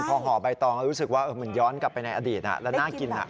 พอห่อใบตองรู้สึกว่ามันย้อนกลับไปในอดีตแล้วน่ากิน